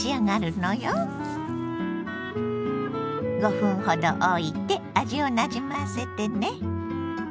５分ほどおいて味をなじませてね。